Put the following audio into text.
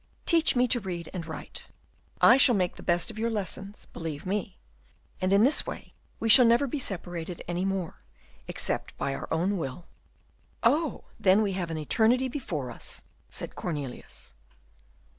"Teach me to read and write. I shall make the best of your lessons, believe me; and, in this way, we shall never be separated any more, except by our own will." "Oh, then, we have an eternity before us," said Cornelius.